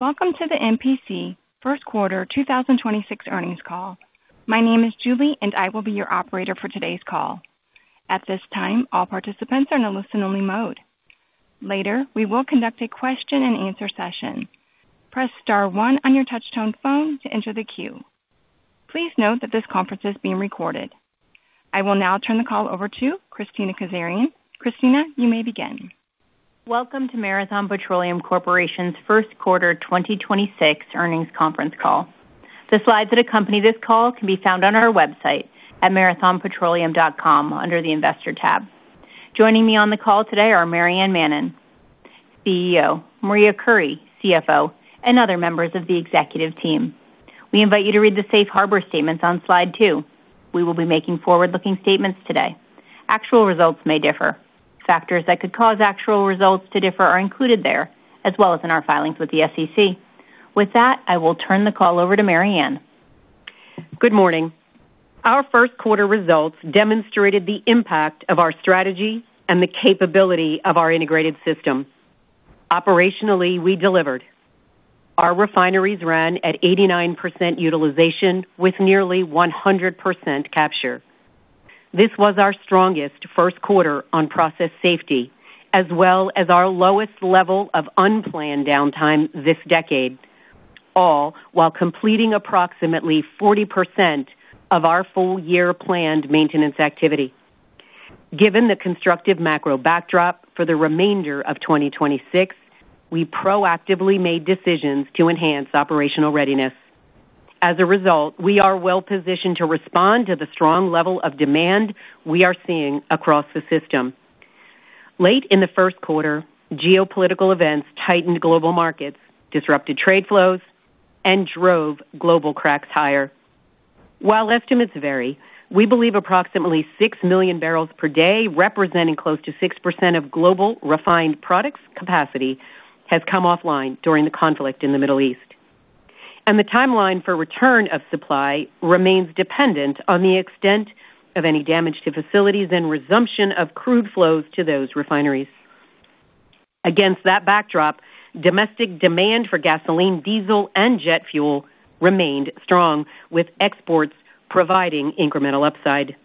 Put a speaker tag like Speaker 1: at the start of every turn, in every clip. Speaker 1: Welcome to the MPC first quarter 2026 earnings call. My name is Julie and I will be your operator for today's call. At this time, all participants are in a listen only mode. Later, we will conduct a question-and-answer session. Press star one on your touchtone phone to enter the queue. Please note that this conference is being recorded. I will now turn the call over to Kristina Kazarian. Kristina, you may begin.
Speaker 2: Welcome to Marathon Petroleum Corporation's first quarter 2026 earnings conference call. The slides that accompany this call can be found on our website at marathonpetroleum.com under the Investor tab. Joining me on the call today are Maryann Mannen, CEO, Maria Khoury, CFO, and other members of the executive team. We invite you to read the Safe Harbor statements on slide two. We will be making forward-looking statements today. Actual results may differ. Factors that could cause actual results to differ are included there as well as in our filings with the SEC. With that, I will turn the call over to Maryann.
Speaker 3: Good morning. Our first quarter results demonstrated the impact of our strategy and the capability of our integrated system. Operationally, we delivered. Our refineries ran at 89% utilization with nearly 100% capture. This was our strongest first quarter on process safety as well as our lowest level of unplanned downtime this decade, all while completing approximately 40% of our full-year planned maintenance activity. Given the constructive macro backdrop for the remainder of 2026, we proactively made decisions to enhance operational readiness. As a result, we are well-positioned to respond to the strong level of demand we are seeing across the system. Late in the first quarter, geopolitical events tightened global markets, disrupted trade flows, and drove global cracks higher. While estimates vary, we believe approximately 6 MMbpd, representing close to 6% of global refined products capacity, has come offline during the conflict in the Middle East, and the timeline for return of supply remains dependent on the extent of any damage to facilities and resumption of crude flows to those refineries. Against that backdrop, domestic demand for gasoline, diesel, and jet fuel remained strong, with exports providing incremental upside.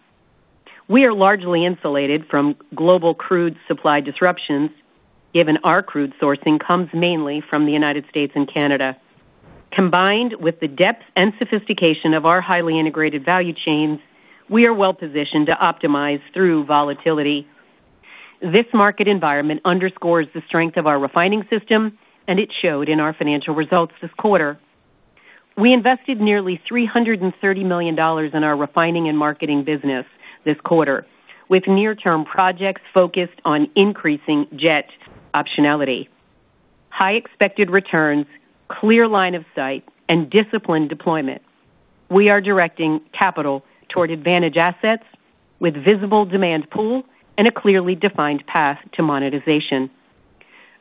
Speaker 3: We are largely insulated from global crude supply disruptions given our crude sourcing comes mainly from the United States. and Canada. Combined with the depth and sophistication of our highly integrated value chains, we are well-positioned to optimize through volatility. This market environment underscores the strength of our refining system, and it showed in our financial results this quarter. We invested nearly $330 million in our Refining & Marketing business this quarter, with near-term projects focused on increasing jet optionality, high expected returns, clear line of sight, and disciplined deployment. We are directing capital toward advantage assets with visible demand pool and a clearly defined path to monetization.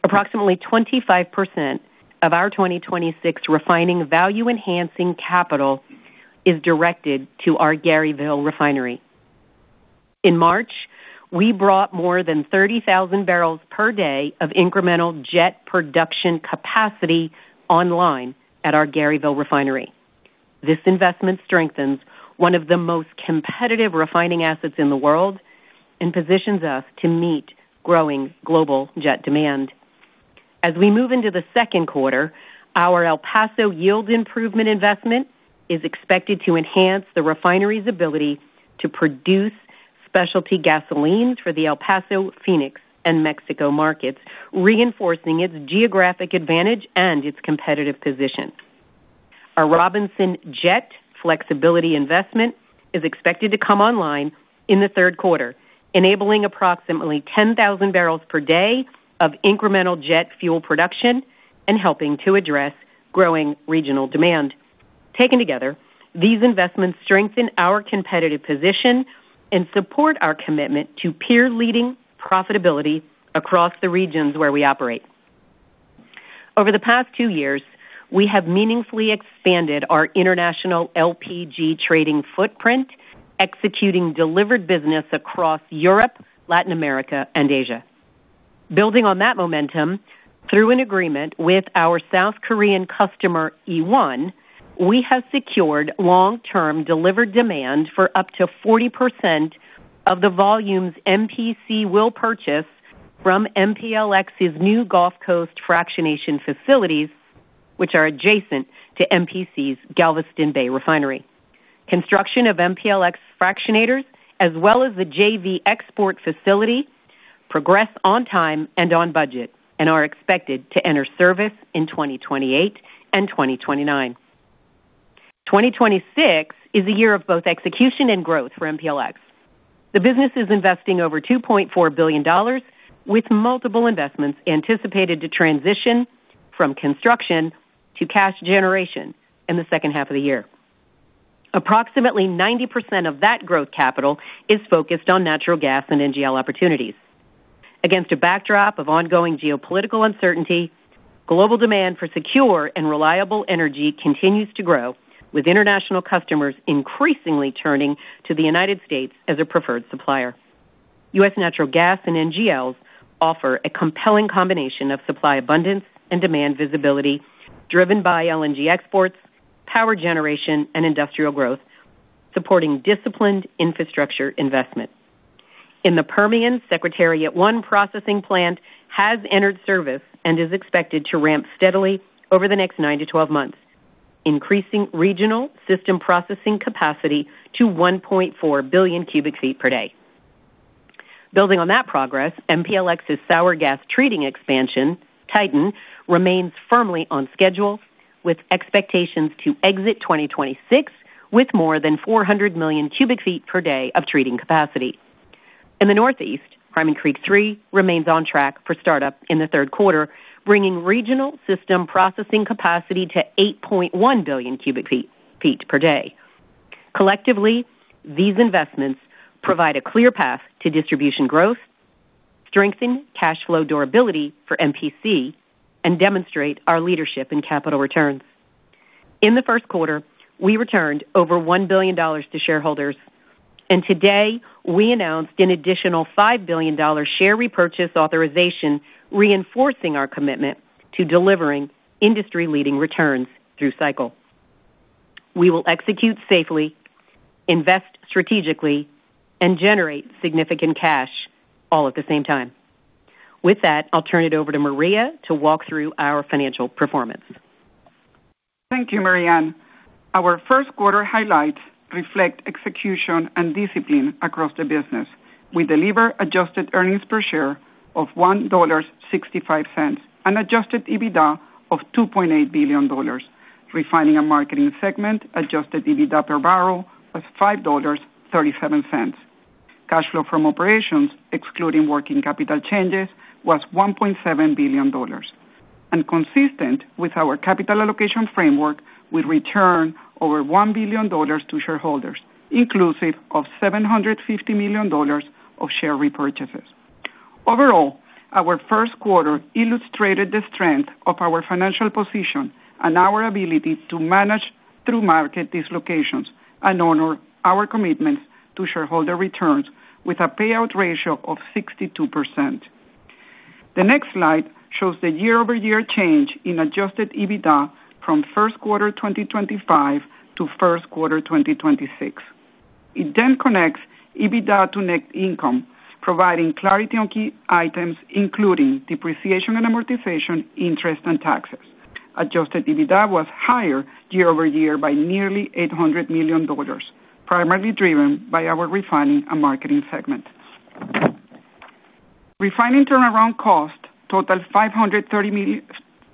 Speaker 3: Approximately 25% of our 2026 refining value-enhancing capital is directed to our Garyville refinery. In March, we brought more than 30,000 bpd of incremental jet production capacity online at our Garyville refinery. This investment strengthens one of the most competitive refining assets in the world and positions us to meet growing global jet demand. As we move into the second quarter, our El Paso yield improvement investment is expected to enhance the refinery's ability to produce specialty gasoline for the El Paso, Phoenix, and Mexico markets, reinforcing its geographic advantage and its competitive position. Our Robinson jet flexibility investment is expected to come online in the third quarter, enabling approximately 10,000 bpd of incremental jet fuel production and helping to address growing regional demand. Taken together, these investments strengthen our competitive position and support our commitment to peer-leading profitability across the regions where we operate. Over the past two years, we have meaningfully expanded our international LPG trading footprint, executing delivered business across Europe, Latin America, and Asia. Building on that momentum, through an agreement with our South Korean customer E1, we have secured long-term delivered demand for up to 40% of the volumes MPC will purchase from MPLX's new Gulf Coast fractionation facilities, which are adjacent to MPC's Galveston Bay Refinery. Construction of MPLX fractionators as well as the JV export facility progress on time and on budget and are expected to enter service in 2028 and 2029. 2026 is a year of both execution and growth for MPLX. The business is investing over $2.4 billion with multiple investments anticipated to transition from construction to cash generation in the second half of the year. Approximately 90% of that growth capital is focused on natural gas and NGL opportunities. Against a backdrop of ongoing geopolitical uncertainty, global demand for secure and reliable energy continues to grow, with international customers increasingly turning to the United States as a preferred supplier. U.S. natural gas and NGLs offer a compelling combination of supply abundance and demand visibility driven by LNG exports, power generation, and industrial growth, supporting disciplined infrastructure investment. In the Permian Secretariat, one processing plant has entered service and is expected to ramp steadily over the next nine to 12 months, increasing regional system processing capacity to 1.4 billion cu ft per day. Building on that progress, MPLX's sour gas treating expansion, Titan, remains firmly on schedule with expectations to exit 2026 with more than 400 million cu ft per day of treating capacity. In the Northeast, Harmon Creek 3 remains on track for startup in the third quarter, bringing regional system processing capacity to 8.1 billion cu ft per day. Collectively, these investments provide a clear path to distribution growth, strengthen cash flow durability for MPC, and demonstrate our leadership in capital returns. In the first quarter, we returned over $1 billion to shareholders, and today we announced an additional $5 billion share repurchase authorization, reinforcing our commitment to delivering industry-leading returns through cycle. We will execute safely, invest strategically, and generate significant cash all at the same time. With that, I'll turn it over to Maria to walk through our financial performance.
Speaker 4: Thank you, Maryann. Our first quarter highlights reflect execution and discipline across the business. We deliver adjusted earnings per share of $1.65 and adjusted EBITDA of $2.8 billion. Refining & Marketing segment adjusted EBITDA per barrel was $5.37. Cash flow from operations, excluding working capital changes, was $1.7 billion. Consistent with our capital allocation framework, we return over $1 billion to shareholders, inclusive of $750 million of share repurchases. Overall, our first quarter illustrated the strength of our financial position and our ability to manage through market dislocations and honor our commitments to shareholder returns with a payout ratio of 62%. The next slide shows the year-over-year change in adjusted EBITDA from first quarter 2025 to first quarter 2026. It connects EBITDA to net income, providing clarity on key items, including depreciation and amortization, interest, and taxes. Adjusted EBITDA was higher year-over-year by nearly $800 million, primarily driven by our Refining & Marketing segment. Refining turnaround cost totaled $530 million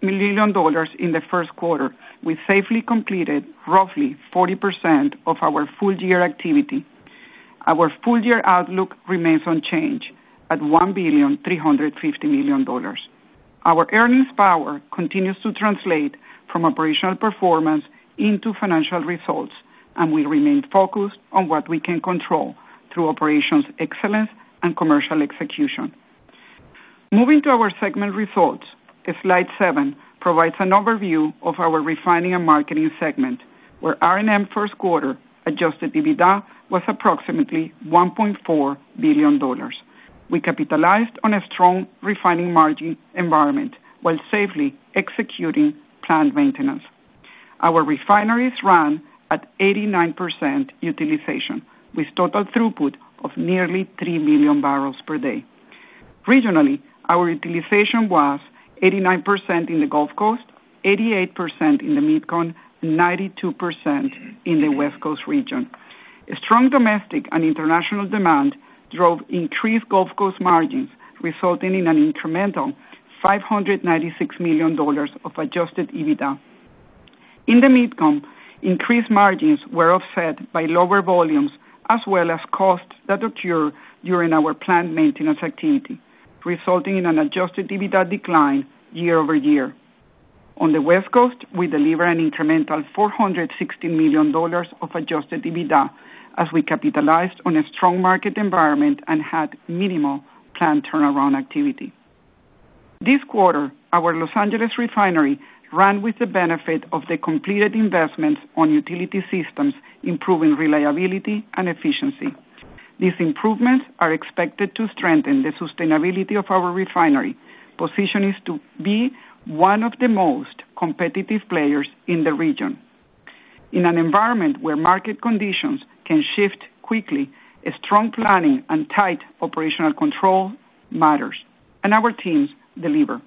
Speaker 4: in the first quarter. We safely completed roughly 40% of our full-year activity. Our full-year outlook remains unchanged at $1.35 billion. Our earnings power continues to translate from operational performance into financial results, we remain focused on what we can control through operations excellence and commercial execution. Moving to our segment results, slide seven provides an overview of our Refining & Marketing segment, where R&M first quarter adjusted EBITDA was approximately $1.4 billion. We capitalized on a strong refining margin environment while safely executing plant maintenance. Our refineries ran at 89% utilization, with total throughput of nearly 3 MMbpd. Regionally, our utilization was 89% in the Gulf Coast, 88% in the MidCon, 92% in the West Coast region. A strong domestic and international demand drove increased Gulf Coast margins, resulting in an incremental $596 million of adjusted EBITDA. In the MidCon, increased margins were offset by lower volumes as well as costs that occurred during our plant maintenance activity, resulting in an adjusted EBITDA decline year-over-year. On the West Coast, we deliver an incremental $460 million of adjusted EBITDA as we capitalized on a strong market environment and had minimal plant turnaround activity. This quarter, our Los Angeles refinery ran with the benefit of the completed investments on utility systems, improving reliability and efficiency. These improvements are expected to strengthen the sustainability of our refinery, positioning us to be one of the most competitive players in the region. In an environment where market conditions can shift quickly, a strong planning and tight operational control matters, and our teams deliver.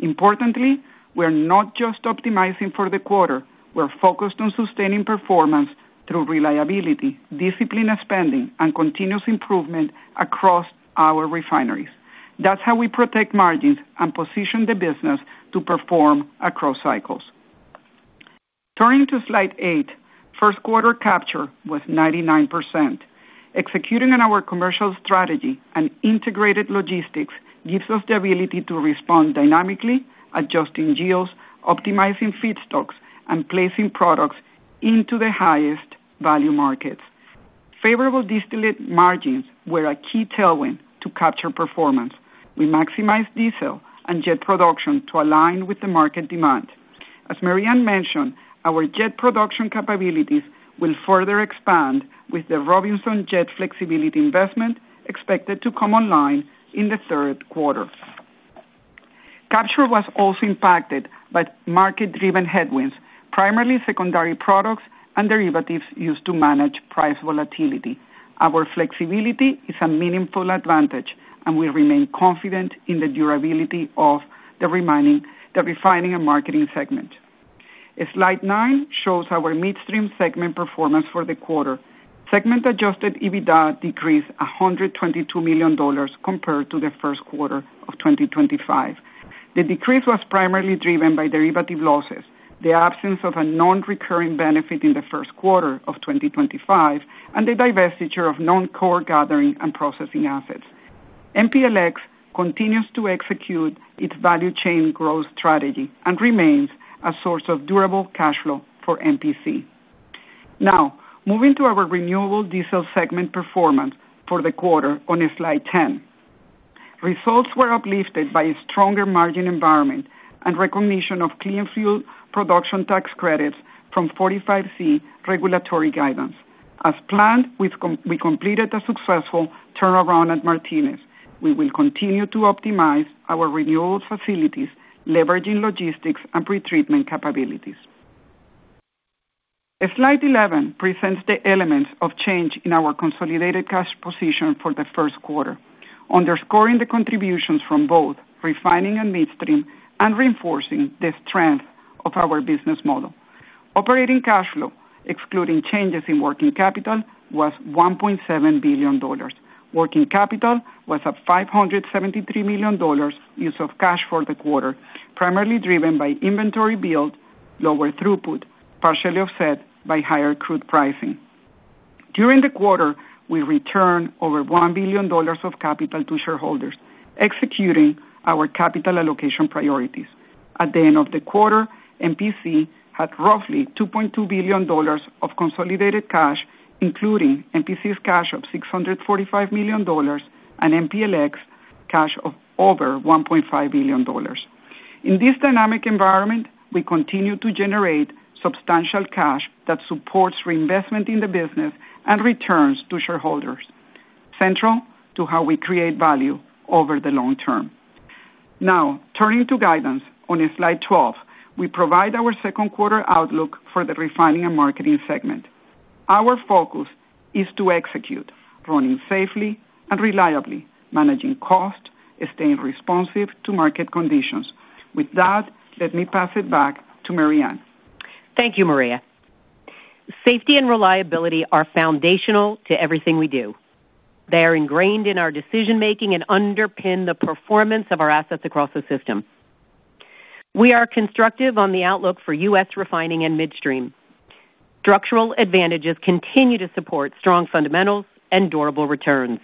Speaker 4: Importantly, we're not just optimizing for the quarter. We're focused on sustaining performance through reliability, disciplined spending, and continuous improvement across our refineries. That's how we protect margins and position the business to perform across cycles. Turning to slide eight, first quarter capture was 99%. Executing on our commercial strategy and integrated logistics gives us the ability to respond dynamically, adjusting geos, optimizing feedstocks, and placing products into the highest value markets. Favorable distillate margins were a key tailwind to capture performance. We maximized diesel and jet production to align with the market demand. As Maryann mentioned, our jet production capabilities will further expand with the Robinson jet flexibility investment expected to come online in the third quarter. Capture was also impacted by market-driven headwinds, primarily secondary products and derivatives used to manage price volatility. Our flexibility is a meaningful advantage, and we remain confident in the durability of the remaining the Refining & Marketing segment. Slide nine shows our Midstream segment performance for the quarter. Segment adjusted EBITDA decreased $122 million compared to the first quarter of 2025. The decrease was primarily driven by derivative losses, the absence of a non-recurring benefit in the first quarter of 2025, and the divestiture of non-core gathering and processing assets. MPLX continues to execute its value chain growth strategy and remains a source of durable cash flow for MPC. Now, moving to our Renewable Diesel segment performance for the quarter on slide 10. Results were uplifted by a stronger margin environment and recognition of Clean Fuel Production tax credits from 45Z regulatory guidance. As planned, we completed a successful turnaround at Martinez. We will continue to optimize our renewal facilities, leveraging logistics and pretreatment capabilities. Slide 11 presents the elements of change in our consolidated cash position for the first quarter, underscoring the contributions from both refining and midstream and reinforcing the strength of our business model. Operating cash flow, excluding changes in working capital, was $1.7 billion. Working capital was at $573 million use of cash for the quarter, primarily driven by inventory build, lower throughput, partially offset by higher crude pricing. During the quarter, we returned over $1 billion of capital to shareholders, executing our capital allocation priorities. At the end of the quarter, MPC had roughly $2.2 billion of consolidated cash, including MPC's cash of $645 million and MPLX cash of over $1.5 billion. In this dynamic environment, we continue to generate substantial cash that supports reinvestment in the business and returns to shareholders, central to how we create value over the long term. Turning to guidance on slide 12, we provide our second quarter outlook for the Refining & Marketing segment. Our focus is to execute, running safely and reliably, managing cost, and staying responsive to market conditions. With that, let me pass it back to Maryann.
Speaker 3: Thank you, Maria. Safety and reliability are foundational to everything we do. They are ingrained in our decision-making and underpin the performance of our assets across the system. We are constructive on the outlook for U.S. refining and midstream. Structural advantages continue to support strong fundamentals and durable returns.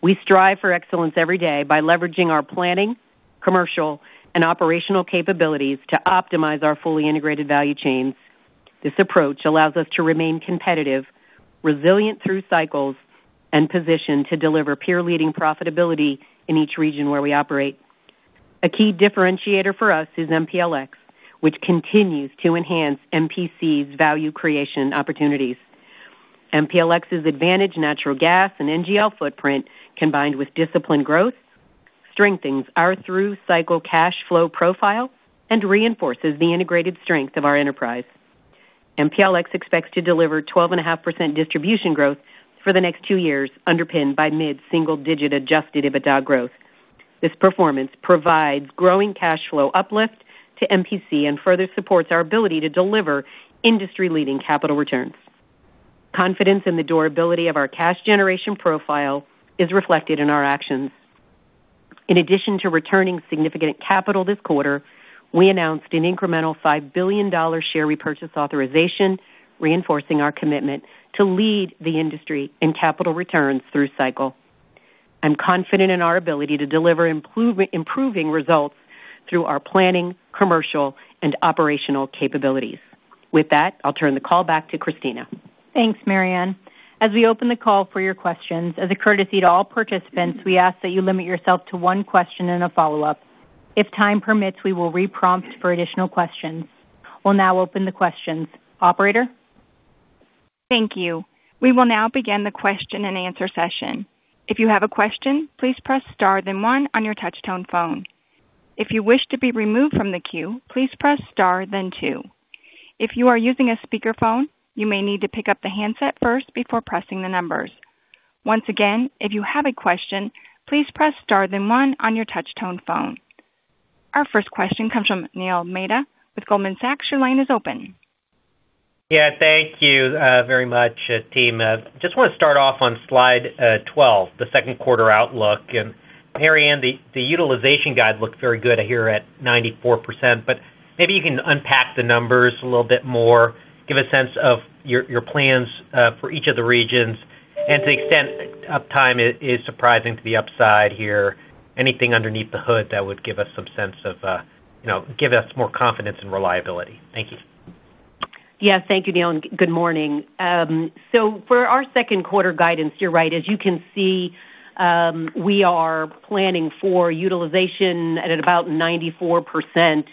Speaker 3: We strive for excellence every day by leveraging our planning, commercial, and operational capabilities to optimize our fully integrated value chains. This approach allows us to remain competitive, resilient through cycles, and positioned to deliver peer-leading profitability in each region where we operate. A key differentiator for us is MPLX, which continues to enhance MPC's value creation opportunities. MPLX's advantage natural gas and NGL footprint, combined with disciplined growth, strengthens our through-cycle cash flow profile and reinforces the integrated strength of our enterprise. MPLX expects to deliver 12.5% distribution growth for the next two years, underpinned by mid-single-digit adjusted EBITDA growth. This performance provides growing cash flow uplift to MPC and further supports our ability to deliver industry-leading capital returns. Confidence in the durability of our cash generation profile is reflected in our actions. In addition to returning significant capital this quarter, we announced an incremental $5 billion share repurchase authorization, reinforcing our commitment to lead the industry in capital returns through cycle. I'm confident in our ability to deliver improving results through our planning, commercial, and operational capabilities. With that, I'll turn the call back to Kristina.
Speaker 2: Thanks, Maryann. As we open the call for your questions, as a courtesy to all participants, we ask that you limit yourself to one question and a follow-up. If time permits, we will re-prompt for additional questions. We'll now open the questions. Operator?
Speaker 1: Thank you. We will now begin the question-and-answer session. If you have a question, please press star then one on your touch-tone phone. If you wish to be removed from the queue, please press star then two. If you are using a speakerphone, you may need to pick up the handset first before pressing the numbers. Once again, if you have a question, please press star then one on your touch-tone phone. Our first question comes from Neil Mehta with Goldman Sachs. Your line is open.
Speaker 5: Thank you very much, Kristina. Just wanna start off on slide 12, the second quarter outlook. Maryann, the utilization guide looked very good here at 94%, but maybe you can unpack the numbers a little bit more, give a sense of your plans for each of the regions. To the extent uptime is surprising to the upside here, anything underneath the hood that would give us some sense of, you know, give us more confidence and reliability. Thank you.
Speaker 3: Thank you, Neil, and good morning. For our second quarter guidance, you're right. As you can see, we are planning for utilization at about 94%.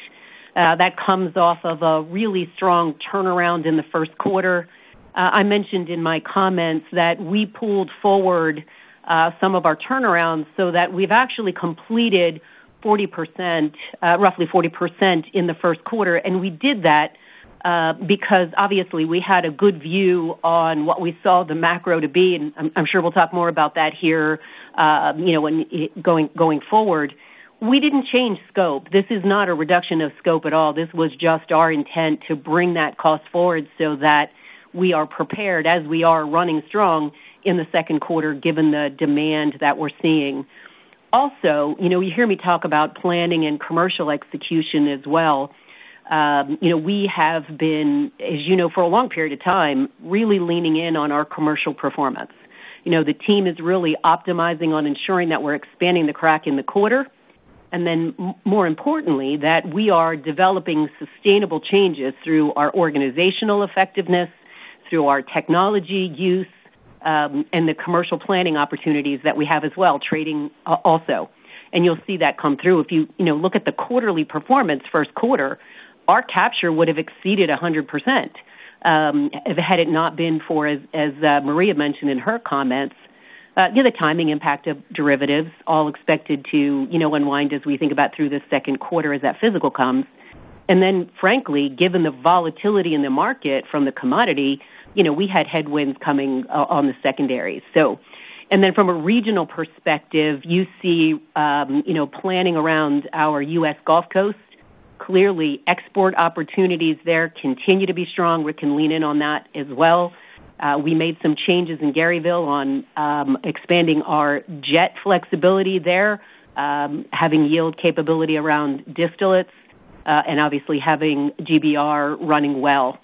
Speaker 3: That comes off of a really strong turnaround in the first quarter. I mentioned in my comments that we pulled forward some of our turnarounds so that we've actually completed 40%, roughly 40% in the first quarter. We did that because obviously we had a good view on what we saw the macro to be, and I'm sure we'll talk more about that here, you know, going forward. We didn't change scope. This is not a reduction of scope at all. This was just our intent to bring that cost forward so that we are prepared as we are running strong in the second quarter, given the demand that we're seeing. Also, you know, you hear me talk about planning and commercial execution as well. You know, we have been, as you know, for a long period of time, really leaning in on our commercial performance. You know, the team is really optimizing on ensuring that we're expanding the crack in the quarter, and then more importantly, that we are developing sustainable changes through our organizational effectiveness, through our technology use, and the commercial planning opportunities that we have as well, trading also. You'll see that come through. If you know, look at the quarterly performance, first quarter, our capture would have exceeded 100%, had it not been for, as Maria mentioned in her comments, you know, the timing impact of derivatives all expected to, you know, unwind as we think about through the second quarter as that physical comes. Frankly, given the volatility in the market from the commodity, you know, we had headwinds coming on the secondary. From a regional perspective, you see, you know, planning around our U.S. Gulf Coast. Clearly export opportunities there continue to be strong. We can lean in on that as well. We made some changes in Garyville on expanding our jet flexibility there, having yield capability around distillates, and obviously having GBR running well.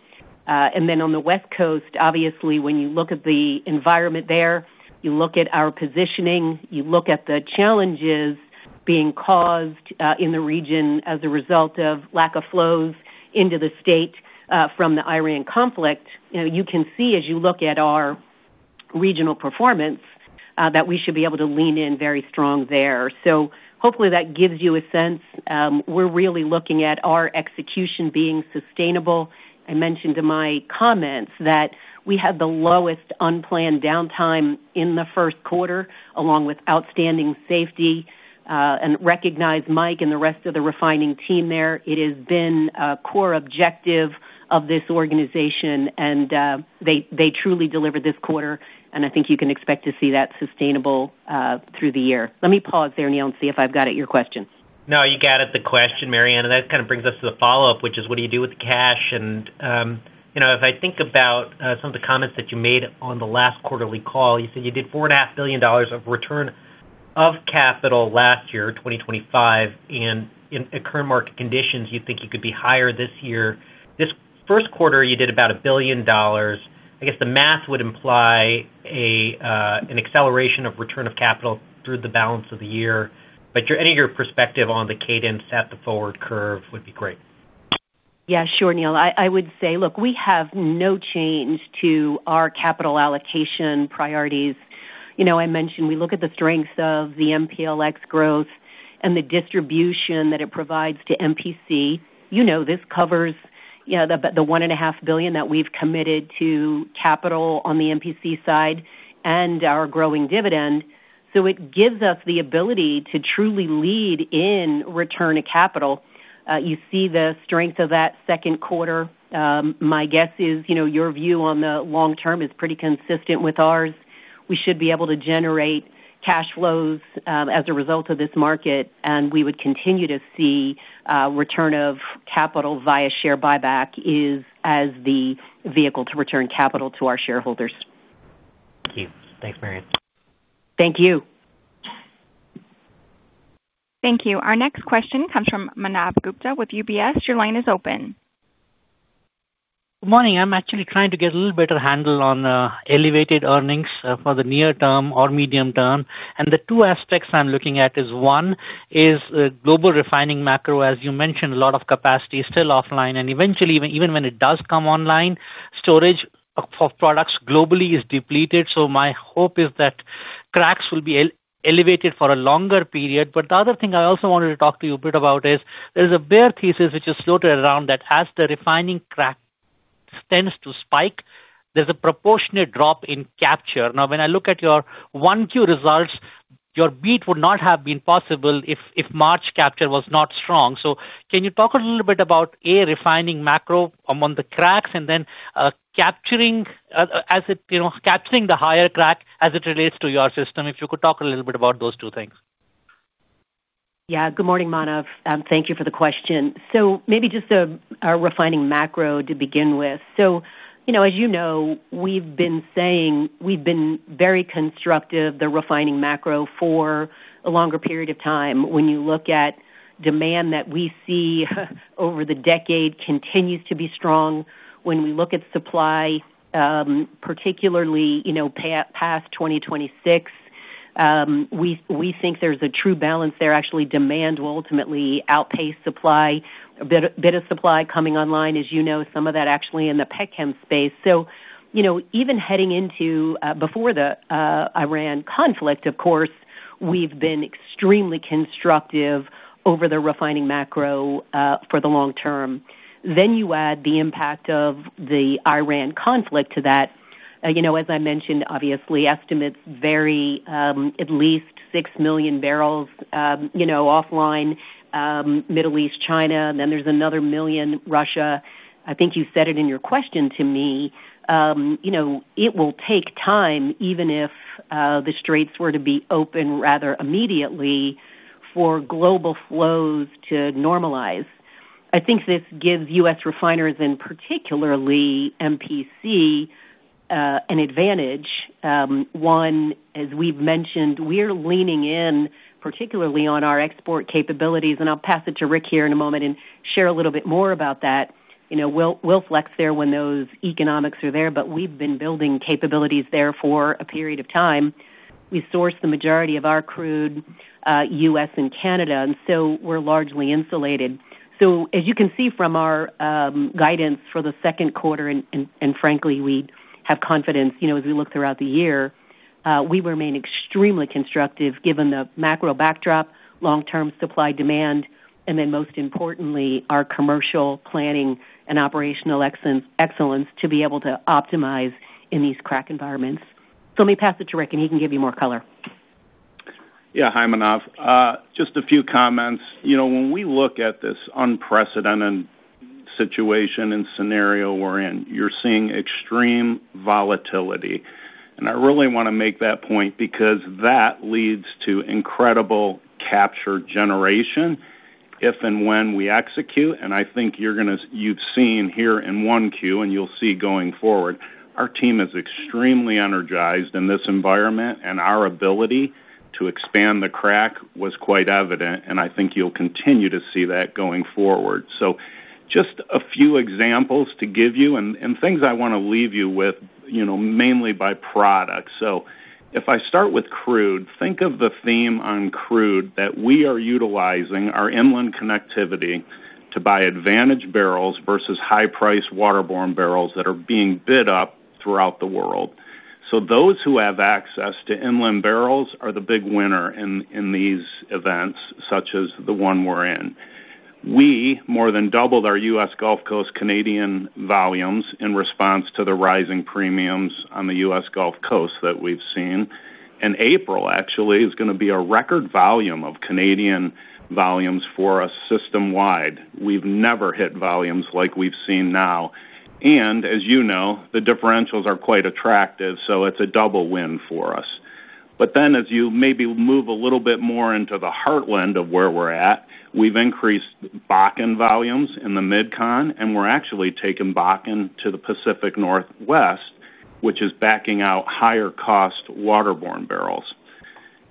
Speaker 3: On the West Coast, obviously, when you look at the environment there, you look at our positioning, you look at the challenges being caused in the region as a result of lack of flows into the state from the Iran conflict, you know, you can see as you look at our regional performance that we should be able to lean in very strong there. Hopefully that gives you a sense. We're really looking at our execution being sustainable. I mentioned in my comments that we had the lowest unplanned downtime in the first quarter, along with outstanding safety, and recognize Mike and the rest of the refining team there. It has been a core objective of this organization and they truly delivered this quarter, and I think you can expect to see that sustainable through the year. Let me pause there, Neil, and see if I've got at your question?
Speaker 5: No, you got at the question, Maryann, that kind of brings us to the follow-up, which is what do you do with the cash? You know, if I think about some of the comments that you made on the last quarterly call, you said you did $4.5 billion of return of capital last year, 2025. In current market conditions, you think you could be higher this year. This first quarter you did about $1 billion. I guess the math would imply an acceleration of return of capital through the balance of the year. Any of your perspective on the cadence at the forward curve would be great.
Speaker 3: Yeah, sure, Neil. I would say, look, we have no change to our capital allocation priorities. You know, I mentioned we look at the strengths of the MPLX growth and the distribution that it provides to MPC. You know, this covers, you know, the $1.5 billion that we've committed to capital on the MPC side and our growing dividend. It gives us the ability to truly lead in return of capital. You see the strength of that second quarter. My guess is, you know, your view on the long term is pretty consistent with ours. We should be able to generate cash flows as a result of this market, and we would continue to see return of capital via share buyback as the vehicle to return capital to our shareholders.
Speaker 5: Thank you. Thanks, Maryann.
Speaker 3: Thank you.
Speaker 1: Thank you. Our next question comes from Manav Gupta with UBS. Your line is open.
Speaker 6: Good morning. I'm actually trying to get a little better handle on elevated earnings for the near term or medium term. The two aspects I'm looking at is one is global refining macro. As you mentioned, a lot of capacity is still offline, and eventually, even when it does come online, storage of products globally is depleted. My hope is that cracks will be elevated for a longer period. The other thing I also wanted to talk to you a bit about is there's a bear thesis which is floated around that as the refining crack tends to spike, there's a proportionate drop in capture. When I look at your 1Q results, your beat would not have been possible if March capture was not strong. Can you talk a little bit about, A, refining macro among the cracks and then capturing the higher crack as it relates to your system? If you could talk a little bit about those two things.
Speaker 3: Good morning, Manav. Thank you for the question. Maybe just our refining macro to begin with. You know, as you know, we've been saying we've been very constructive, the refining macro for a longer period of time. When you look at demand that we see over the decade continues to be strong. When we look at supply, particularly, you know, past 2026, we think there's a true balance there. Actually, demand will ultimately outpace supply. A bit of supply coming online, as you know, some of that actually in the petchem space. You know, even heading into before the Iran conflict, of course, we've been extremely constructive over the refining macro for the long term. You add the impact of the Iran conflict to that. You know, as I mentioned, obviously, estimates vary, at least 6 million bbl offline, Middle East, China. There's another 1 million bbl, Russia. I think you said it in your question to me, you know, it will take time, even if the straits were to be open rather immediately for global flows to normalize. I think this gives U.S. refiners, and particularly MPC, an advantage. One, as we've mentioned, we're leaning in particularly on our export capabilities, and I'll pass it to Rick here in a moment and share a little bit more about that. You know, we'll flex there when those economics are there, but we've been building capabilities there for a period of time. We source the majority of our crude, U.S. and Canada, we're largely insulated. As you can see from our guidance for the second quarter, and frankly, we have confidence, you know, as we look throughout the year, we remain extremely constructive given the macro backdrop, long-term supply demand, and then most importantly, our commercial planning and operational excellence to be able to optimize in these crack environments. Let me pass it to Rick, and he can give you more color.
Speaker 7: Yeah. Hi, Manav. Just a few comments. You know, when we look at this unprecedented situation and scenario we're in, you're seeing extreme volatility. I really wanna make that point because that leads to incredible capture generation if and when we execute. I think you've seen here in 1Q, and you'll see going forward, our team is extremely energized in this environment, and our ability to expand the crack was quite evident, and I think you'll continue to see that going forward. Just a few examples to give you and things I wanna leave you with, you know, mainly by product. If I start with crude, think of the theme on crude that we are utilizing our inland connectivity to buy advantage barrels versus high-price waterborne barrels that are being bid up throughout the world. Those who have access to inland barrels are the big winner in these events, such as the one we're in. We more than doubled our U.S. Gulf Coast Canadian volumes in response to the rising premiums on the U.S. Gulf Coast that we've seen. In April, actually, it's gonna be a record volume of Canadian volumes for us system-wide. We've never hit volumes like we've seen now. As you know, the differentials are quite attractive, so it's a double win for us. Then as you maybe move a little bit more into the heartland of where we're at, we've increased Bakken volumes in the MidCon, and we're actually taking Bakken to the Pacific Northwest, which is backing out higher-cost waterborne barrels.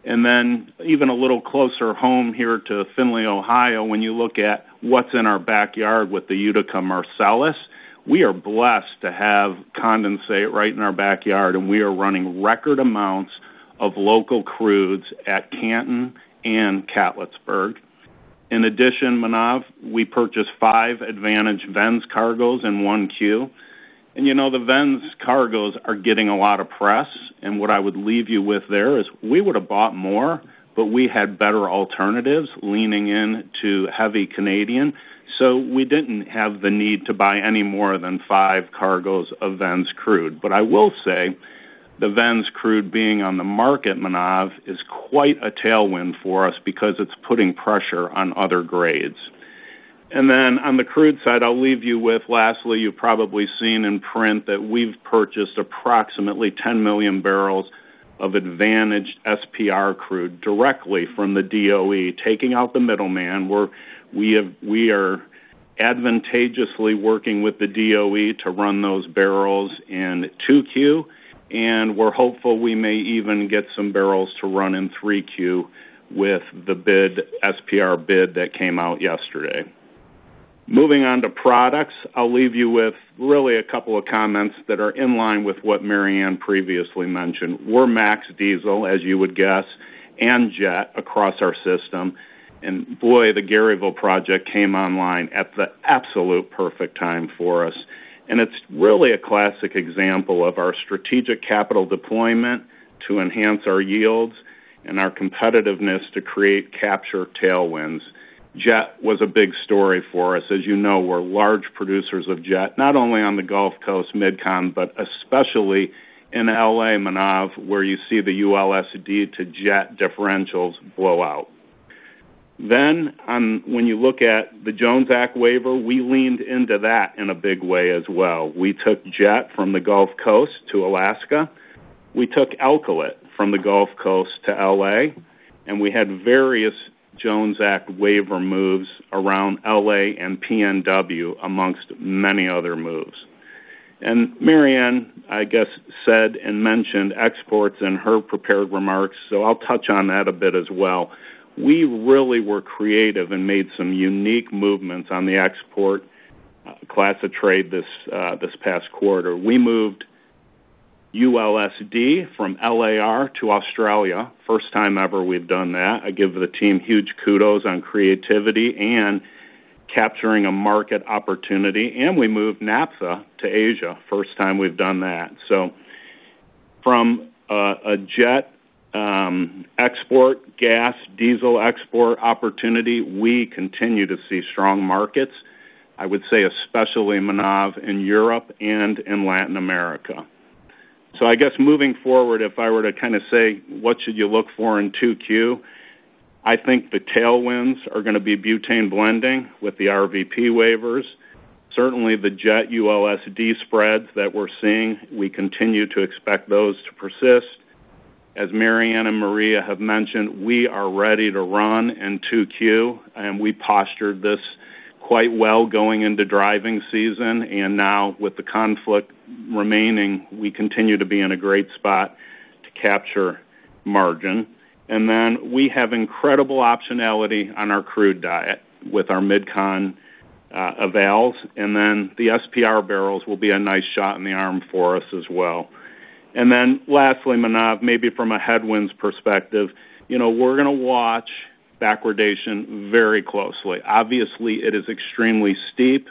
Speaker 7: Even a little closer home here to Findlay, Ohio, when you look at what's in our backyard with the Utica Marcellus, we are blessed to have condensate right in our backyard, and we are running record amounts of local crudes at Canton and Catlettsburg. In addition, Manav, we purchased five advantage Venz cargoes in 1Q. You know, the Venz cargoes are getting a lot of press, what I would leave you with there is we would have bought more, but we had better alternatives leaning into heavy Canadian, we didn't have the need to buy any more than five cargoes of Venz crude. I will say the Venz crude being on the market, Manav, is quite a tailwind for us because it's putting pressure on other grades. On the crude side, I'll leave you with, lastly, you've probably seen in print that we've purchased approximately 10 million bbl of advantaged SPR crude directly from the DOE, taking out the middleman. We are advantageously working with the DOE to run those barrels in 2Q, and we're hopeful we may even get some barrels to run in 3Q with the bid, SPR bid that came out yesterday. Moving on to products, I'll leave you with really a couple of comments that are in line with what Maryann previously mentioned. We're maxed diesel, as you would guess, and jet across our system. Boy, the Garyville project came online at the absolute perfect time for us. It's really a classic example of our strategic capital deployment to enhance our yields and our competitiveness to create capture tailwinds. Jet was a big story for us. As you know, we're large producers of jet, not only on the Gulf Coast MidCon, but especially in L.A., Manav, where you see the ULSD to jet differentials blow out. When you look at the Jones Act waiver, we leaned into that in a big way as well. We took jet from the Gulf Coast to Alaska. We took alkylate from the Gulf Coast to L.A., we had various Jones Act waiver moves around L.A. and PNW, amongst many other moves. Maryann, I guess, said and mentioned exports in her prepared remarks, so I'll touch on that a bit as well. We really were creative and made some unique movements on the export class of trade this past quarter. We moved ULSD from LAR to Australia. First time ever we've done that. I give the team huge kudos on creativity and capturing a market opportunity. We moved naphtha to Asia. First time we've done that. From a jet, export gas, diesel export opportunity, we continue to see strong markets, I would say especially, Manav, in Europe and in Latin America. I guess moving forward, if I were to kind of say what should you look for in 2Q, I think the tailwinds are going to be butane blending with the RVP waivers. Certainly the jet ULSD spreads that we're seeing, we continue to expect those to persist. As Maryann and Maria have mentioned, we are ready to run in 2Q, and we postured this quite well going into driving season. Now with the conflict remaining, we continue to be in a great spot to capture margin. We have incredible optionality on our crude diet with our MidCon avails. The SPR barrels will be a nice shot in the arm for us as well. Lastly, Manav, maybe from a headwinds perspective, you know, we're going to watch backwardation very closely. Obviously, it is extremely steep,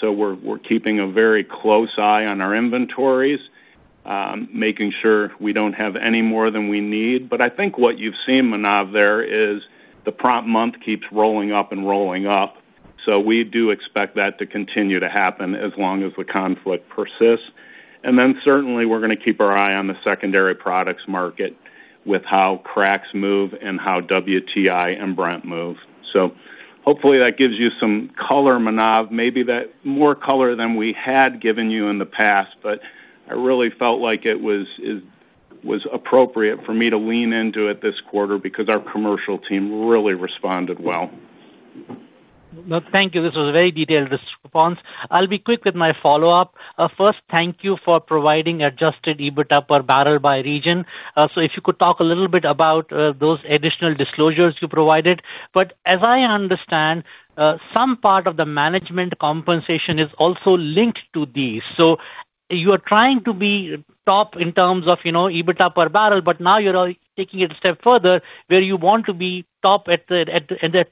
Speaker 7: so we're keeping a very close eye on our inventories, making sure we don't have any more than we need. I think what you've seen, Manav, there is the prompt month keeps rolling up and rolling up. We do expect that to continue to happen as long as the conflict persists. Certainly we're going to keep our eye on the secondary products market with how cracks move and how WTI and Brent move. Hopefully that gives you some color, Manav, maybe that more color than we had given you in the past, but I really felt like it was appropriate for me to lean into it this quarter because our commercial team really responded well.
Speaker 6: Thank you. This was a very detailed response. I'll be quick with my follow-up. First, thank you for providing adjusted EBITDA per barrel by region. If you could talk a little bit about those additional disclosures you provided. As I understand, some part of the management compensation is also linked to these. You are trying to be top in terms of, you know, EBITDA per barrel, but now you're taking it a step further where you want to be top at the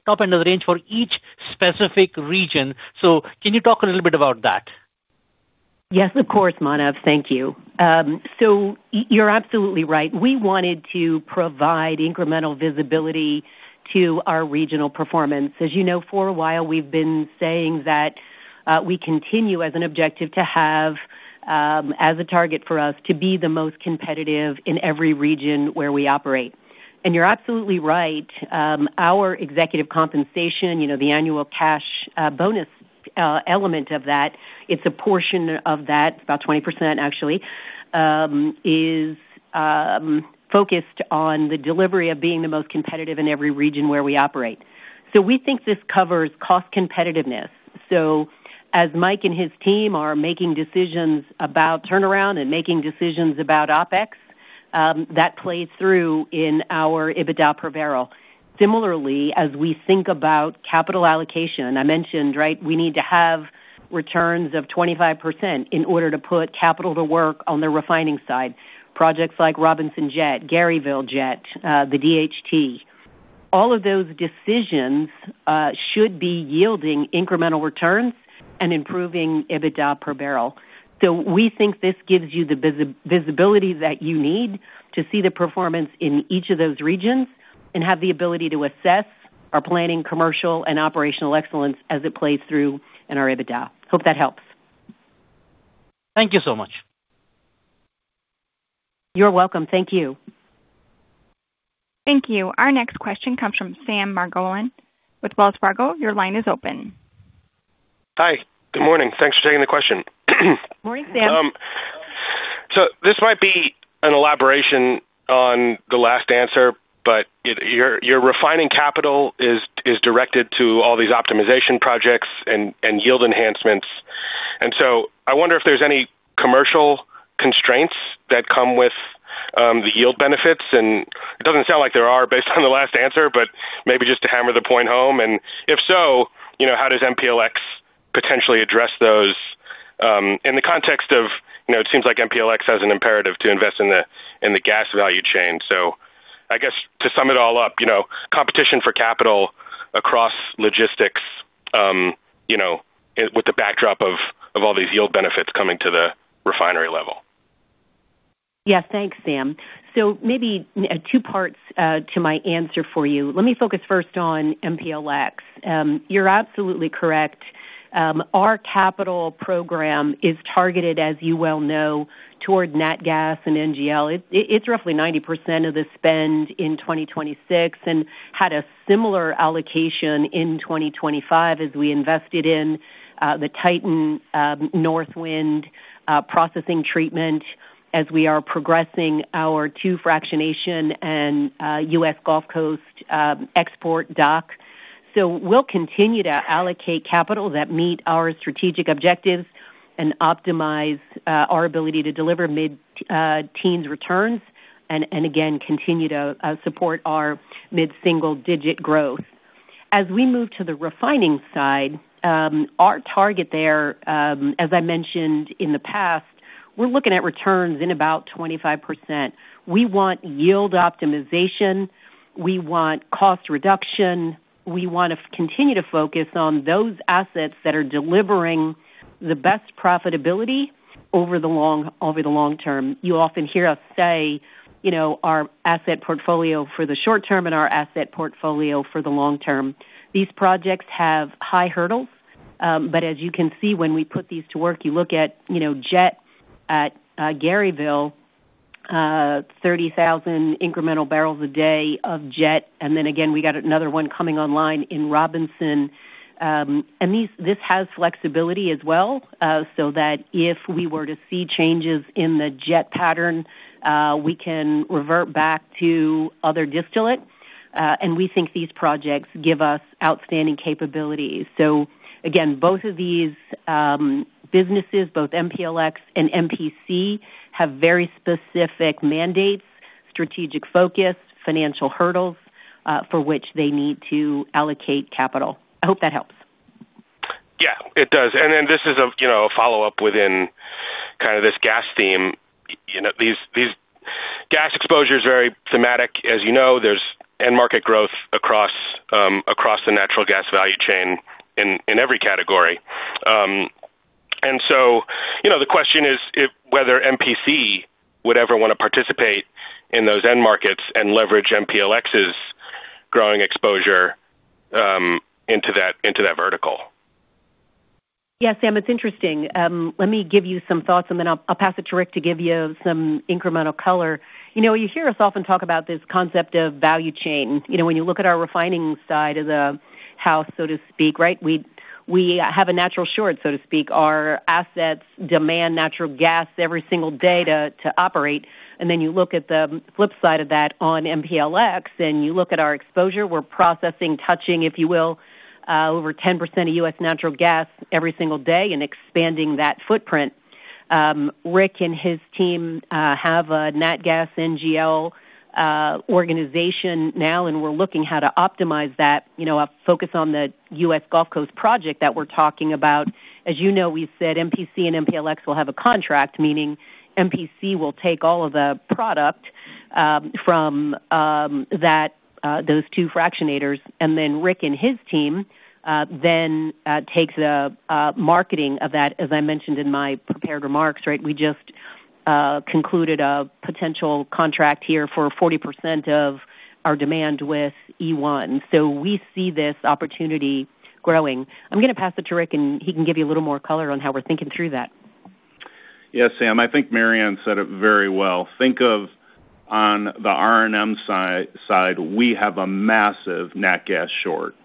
Speaker 6: top end of the range for each specific region. Can you talk a little bit about that?
Speaker 3: Yes, of course, Manav. Thank you. You're absolutely right. We wanted to provide incremental visibility to our regional performance. As you know, for a while we've been saying that we continue as an objective to have as a target for us to be the most competitive in every region where we operate. You're absolutely right. Our executive compensation, you know, the annual cash bonus element of that, it's a portion of that. It's about 20% actually, is focused on the delivery of being the most competitive in every region where we operate. We think this covers cost competitiveness. As Mike and his team are making decisions about turnaround and making decisions about OpEx, that plays through in our EBITDA per barrel. Similarly, as we think about capital allocation, I mentioned, we need to have returns of 25% in order to put capital to work on the refining side. Projects like Robinson Jet, Garyville Jet, the DHT, all of those decisions should be yielding incremental returns and improving EBITDA per barrel. We think this gives you the visibility that you need to see the performance in each of those regions and have the ability to assess our planning, commercial and operational excellence as it plays through in our EBITDA. Hope that helps.
Speaker 6: Thank you so much.
Speaker 3: You're welcome. Thank you.
Speaker 1: Thank you. Our next question comes from Sam Margolin with Wells Fargo. Your line is open.
Speaker 8: Hi. Good morning. Thanks for taking the question.
Speaker 3: Morning, Sam.
Speaker 8: This might be an elaboration on the last answer, but your refining capital is directed to all these optimization projects and yield enhancements. I wonder if there's any commercial constraints that come with the yield benefits. It doesn't sound like there are based on the last answer, but maybe just to hammer the point home. If so, you know, how does MPLX potentially address those in the context of, you know, it seems like MPLX has an imperative to invest in the, in the gas value chain. I guess to sum it all up, you know, competition for capital across logistics, you know, with the backdrop of all these yield benefits coming to the refinery level.
Speaker 3: Thanks, Sam. Maybe two parts to my answer for you. Let me focus first on MPLX. You're absolutely correct. Our capital program is targeted, as you well know, toward nat gas and NGL. It's roughly 90% of the spend in 2026 and had a similar allocation in 2025 as we invested in the Titan Northwind processing treatment as we are progressing our two fractionation and U.S. Gulf Coast export dock. We'll continue to allocate capital that meet our strategic objectives and optimize our ability to deliver mid-teens returns and again, continue to support our mid-single digit growth. As we move to the refining side, our target there, as I mentioned in the past, we're looking at returns in about 25%. We want yield optimization. We want cost reduction. We wanna continue to focus on those assets that are delivering the best profitability over the long term. You often hear us say, you know, our asset portfolio for the short term and our asset portfolio for the long term. These projects have high hurdles. As you can see, when we put these to work, you look at, you know, jet at Garyville, 30,000 incremental barrels a day of jet and then again we got another one coming online in Robinson. This has flexibility as well, so that if we were to see changes in the jet pattern, we can revert back to other distillates. We think these projects give us outstanding capabilities. Again, both of these businesses, both MPLX and MPC, have very specific mandates, strategic focus, financial hurdles, for which they need to allocate capital. I hope that helps.
Speaker 8: Yeah, it does. This is of, you know, a follow-up within kind of this gas theme. You know, these gas exposure is very thematic. As you know, there's end market growth across across the natural gas value chain in every category. You know, the question is if whether MPC would ever wanna participate in those end markets and leverage MPLX's growing exposure into that, into that vertical.
Speaker 3: Yeah, Sam, it's interesting. Let me give you some thoughts and then I'll pass it to Rick to give you some incremental color. You know, you hear us often talk about this concept of value chain. You know, when you look at our refining side of the house, so to speak, right? We have a natural short, so to speak. Our assets demand natural gas every single day to operate. Then you look at the flip side of that on MPLX, and you look at our exposure, we're processing, touching, if you will, over 10% of U.S. natural gas every single day and expanding that footprint. Rick and his team have a nat gas NGL organization now, and we're looking how to optimize that. You know, a focus on the U.S. Gulf Coast project that we're talking about. As you know, we've said MPC and MPLX will have a contract, meaning MPC will take all of the product from that those two fractionators, and then Rick and his team then takes a marketing of that. As I mentioned in my prepared remarks, right? We just concluded a potential contract here for 40% of our demand with E1. We see this opportunity growing. I'm gonna pass it to Rick, and he can give you a little more color on how we're thinking through that.
Speaker 7: Yes, Sam. I think Maryann said it very well. Think of on the R&M side, we have a massive nat gas short.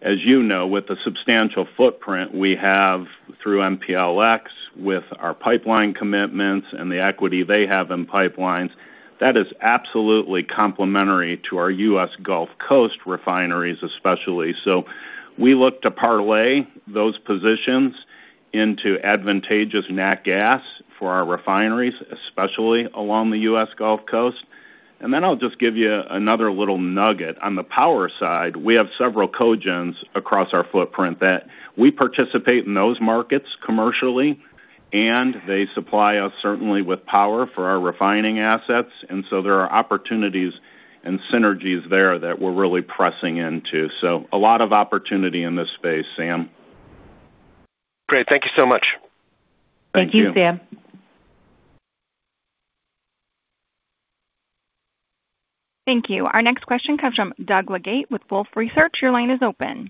Speaker 7: As you know, with the substantial footprint we have through MPLX, with our pipeline commitments and the equity they have in pipelines, that is absolutely complementary to our U.S. Gulf Coast refineries, especially. We look to parlay those positions into advantageous nat gas for our refineries, especially along the U.S. Gulf Coast. I'll just give you another little nugget. On the power side, we have several cogens across our footprint that we participate in those markets commercially, and they supply us certainly with power for our refining assets. There are opportunities and synergies there that we're really pressing into. A lot of opportunity in this space, Sam.
Speaker 8: Great. Thank you so much.
Speaker 3: Thank you, Sam.
Speaker 1: Thank you. Our next question comes from Doug Leggate with Wolfe Research. Your line is open.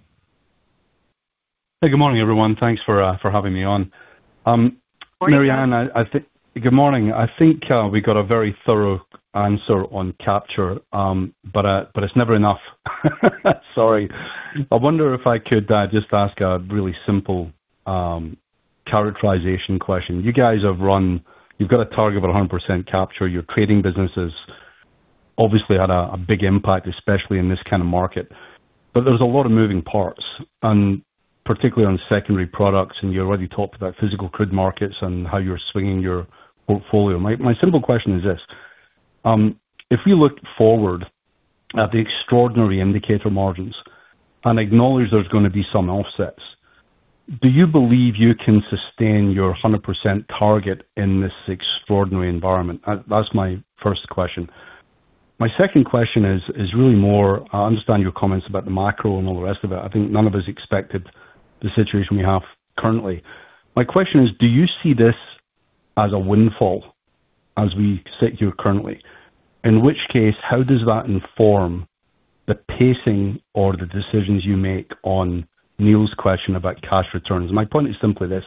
Speaker 9: Hey, good morning, everyone. Thanks for having me on.
Speaker 3: Good morning.
Speaker 9: Maryann, Good morning. I think we got a very thorough answer on capture. It's never enough. Sorry. I wonder if I could just ask a really simple characterization question. You've got a target of 100% capture. Your trading business has obviously had a big impact, especially in this kind of market. There's a lot of moving parts, and particularly on secondary products, and you already talked about physical crude markets and how you're swinging your portfolio. My simple question is this: If we look forward at the extraordinary indicator margins and acknowledge there's gonna be some offsets, do you believe you can sustain your 100% target in this extraordinary environment? That's my first question. My second question is really more, I understand your comments about the macro, all the rest of it. I think none of us expected the situation we have currently. My question is, do you see this as a windfall as we sit here currently? In which case, how does that inform the pacing or the decisions you make on Neil's question about cash returns? My point is simply this.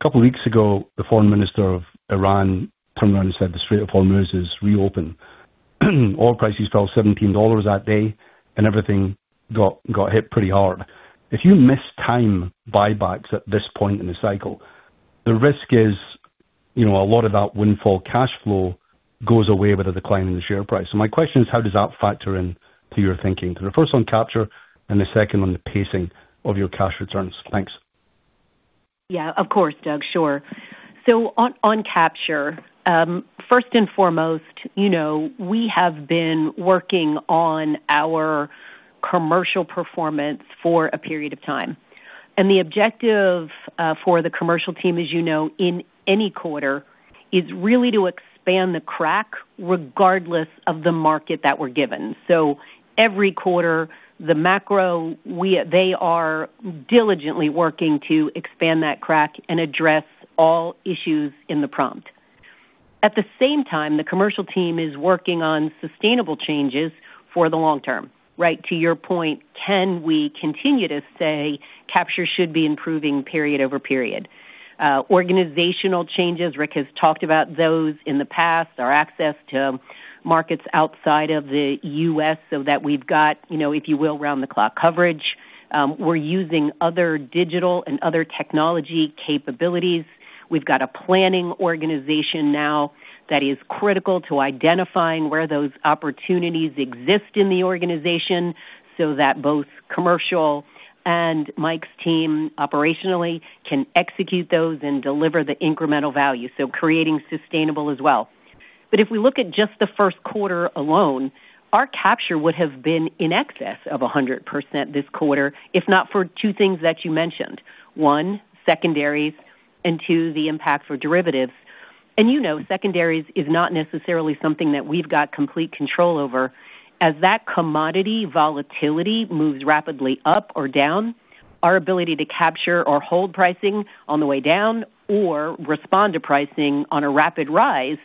Speaker 9: A couple weeks ago, the foreign minister of Iran turned around and said the Strait of Hormuz is reopened. Oil prices fell $17 that day, everything got hit pretty hard. If you mistime buybacks at this point in the cycle, the risk is, you know, a lot of that windfall cash flow goes away with a decline in the share price. My question is, how does that factor into your thinking? The first on capture and the second on the pacing of your cash returns? Thanks.
Speaker 3: Yeah, of course, Doug. Sure. On capture, first and foremost, you know, we have been working on our commercial performance for a period of time. The objective for the commercial team, as you know, in any quarter, is really to expand the crack regardless of the market that we're given. Every quarter, the macro, they are diligently working to expand that crack and address all issues in the prompt. At the same time, the commercial team is working on sustainable changes for the long term. Right, to your point, can we continue to say capture should be improving period over period? Organizational changes, Rick has talked about those in the past, our access to markets outside of the U.S. so that we've got, you know, if you will, round the clock coverage. We're using other digital and other technology capabilities. We've got a planning organization now that is critical to identifying where those opportunities exist in the organization so that both commercial and Mike's team operationally can execute those and deliver the incremental value, so creating sustainable as well. If we look at just the first quarter alone, our capture would have been in excess of 100% this quarter, if not for two things that you mentioned. One, secondaries, and two, the impact for derivatives. You know, secondaries is not necessarily something that we've got complete control over. As that commodity volatility moves rapidly up or down, our ability to capture or hold pricing on the way down or respond to pricing on a rapid rise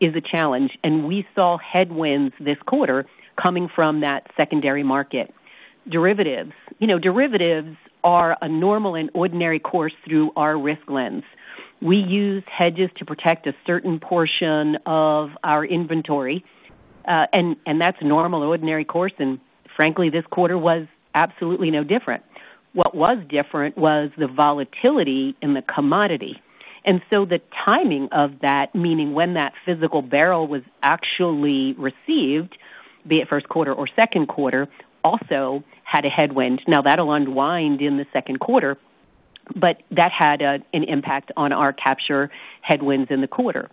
Speaker 3: is a challenge, and we saw headwinds this quarter coming from that secondary market. Derivatives. You know, derivatives are a normal and ordinary course through our risk lens. We use hedges to protect a certain portion of our inventory, and that's a normal ordinary course, and frankly, this quarter was absolutely no different. What was different was the volatility in the commodity. The timing of that, meaning when that physical barrel was actually received, be it first quarter or second quarter, also had a headwind. That'll unwind in the second quarter, but that had an impact on our capture headwinds in the quarter.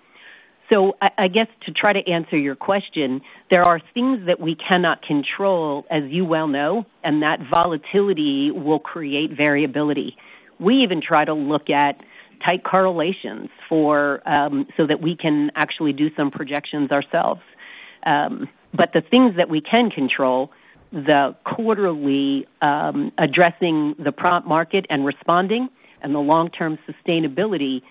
Speaker 3: I guess to try to answer your question, there are things that we cannot control, as you well know, and that volatility will create variability. We even try to look at tight correlations so that we can actually do some projections ourselves. The things that we can control, the quarterly, addressing the prompt market and responding and the long-term sustainability,